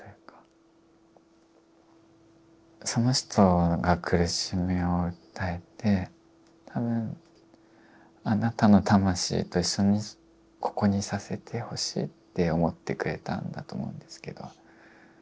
その人が苦しみを訴えて多分あなたの魂と一緒にここにいさせてほしいって思ってくれたんだと思うんですけど